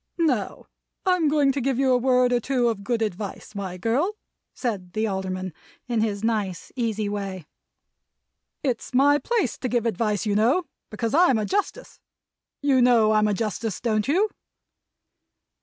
"Now, I'm going to give you a word or two of good advice, my girl," said the Alderman, in his nice easy way. "It's my place to give advice, you know, because I'm a Justice. You know I'm a Justice, don't you?"